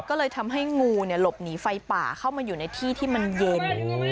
ก็เลยทำให้งูหลบหนีไฟป่าเข้ามาอยู่ในที่ที่มันเย็น